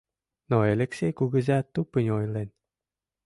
Но Элексей кугыза тупынь ойлен.